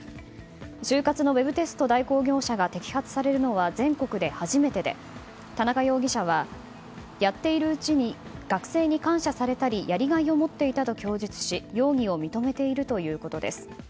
就活のウェブテスト代行業者が摘発されるのは全国で初めてで田中容疑者は、やっているうちに学生に感謝されたりやりがいを持っていたと供述し容疑を認めているということです。